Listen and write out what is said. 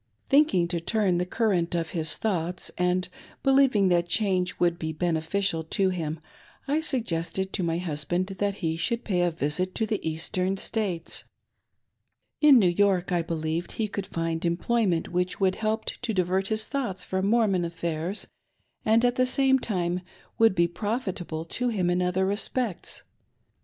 " Thinking to turn the current of his thoughts, and believing that change would be beneficial to him, I suggested to my hus band that he should pay a visit to the Eastern States. In New York I believed he could find employment which would help to divert his thoughts from Mormon affairs and, at the same time, would be profitable to him in other respects.